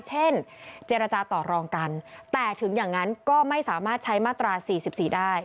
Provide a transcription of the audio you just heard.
เช่นเจรจาต่อรองกันแต่ถึงอย่างนั้นก็ไม่สามารถใช้มาตรา๔๔ได้